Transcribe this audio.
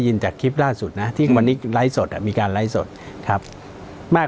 จากคลิปล่าสุดนะที่วันนี้ไลฟ์สดอ่ะมีการไลฟ์สดครับมาก